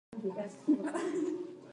د ونې سر ته د پاڼې لیدو لپاره وګورئ.